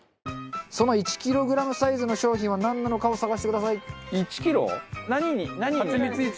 その１キログラムサイズの商品はなんなのかを探してください。